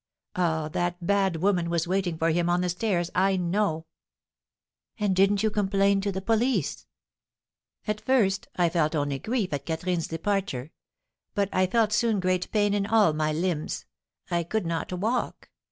Ah, that bad woman was waiting for him on the stairs, I know!" "And didn't you complain to the police?" "At first I felt only grief at Catherine's departure; but I felt soon great pain in all my limbs, I could not walk.